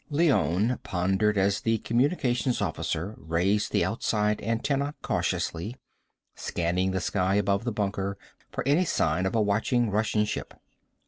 Leone pondered as the communications officer raised the outside antenna cautiously, scanning the sky above the bunker for any sign of a watching Russian ship.